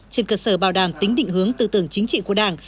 trên cơ sở bảo đảm tính định hướng tư tưởng chính trị của đảng